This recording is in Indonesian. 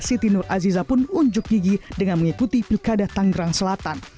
siti nur aziza pun unjuk gigi dengan mengikuti pilkada tanggerang selatan